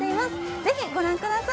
ぜひぜひご覧ください。